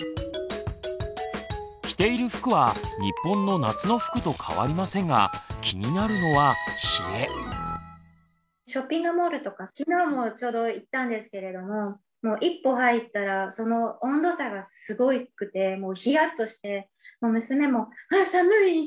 着ている服は日本の夏の服と変わりませんが気になるのはショッピングモールとか昨日もちょうど行ったんですけれども一歩入ったらその温度差がすごくてヒヤッとしてもう娘も「あ寒い！」ひと言。